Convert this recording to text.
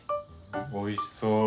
おいしそう。